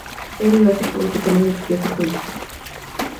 Terry lo acepta y así comienzan su viaje juntos.